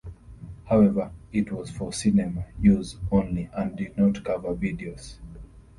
However, it was for cinema use only and did not cover videos.